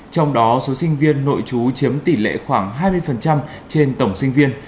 trong đó số sinh viên nội chú chiếm tỷ lệ khoảng hai mươi trên tổng sinh viên